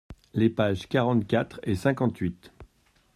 Les pages quarante-quatre et cinquante-huit.